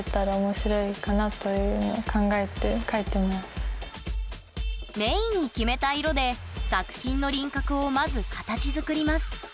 全然メインに決めた色で作品の輪郭をまず形づくります。